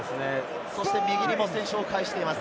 右にも選手を介しています。